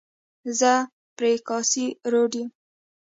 زه پر کاسي روډ یم.